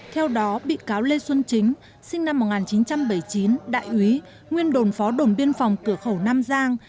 theo đó bị cáo lê xuân chính sinh năm một nghìn chín trăm bảy mươi chín đại úy nguyên đồn phó đồn biên phòng cửa khẩu nam giang